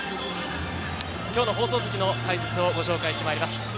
今日の放送席の解説をご紹介してまいります。